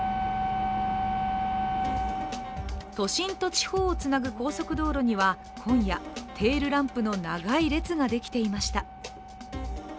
都心と地方をつなぐ高速道路には今夜、テールランプの長い列ができていました。